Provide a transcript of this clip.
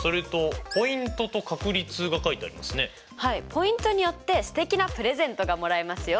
ポイントによってすてきなプレゼントがもらえますよ！